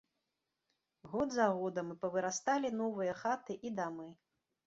Год за годам і павырасталі новыя хаты і дамы.